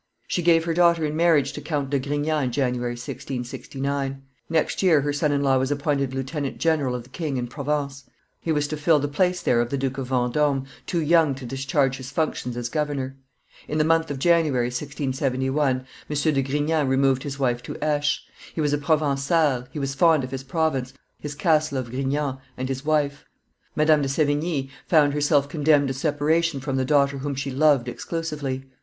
She gave her daughter in marriage to Count de Grignan in January, 1669; next year her son in law was appointed lieutenant general of the king in Provence; he was to fill the place there of the Duke of Vendome, too young to discharge his functions as governor. In the month of January, 1671, M. de Grignan removed his wife to Aix: he was a Provencal, he was fond of his province, his castle of Grignan, and his wife. Madame de Sevigne found herself condemned to separation from the daughter whom she loved exclusively.